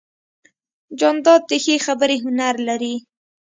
جانداد د ښې خبرې هنر لري.